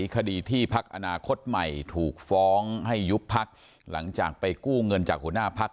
คดีที่พักอนาคตใหม่ถูกฟ้องให้ยุบพักหลังจากไปกู้เงินจากหัวหน้าพัก